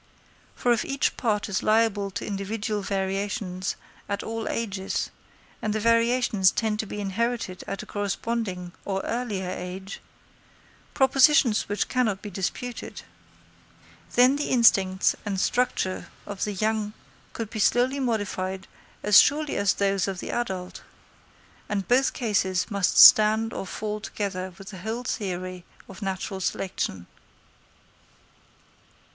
For if each part is liable to individual variations at all ages, and the variations tend to be inherited at a corresponding or earlier age—propositions which cannot be disputed—then the instincts and structure of the young could be slowly modified as surely as those of the adult; and both cases must stand or fall together with the whole theory of natural selection.